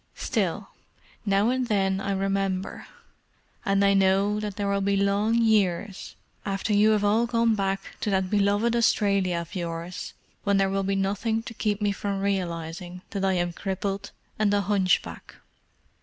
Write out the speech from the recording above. Still, now and then I remember, and I know that there will be long years after you have all gone back to that beloved Australia of yours when there will be nothing to keep me from realizing that I am crippled and a hunchback.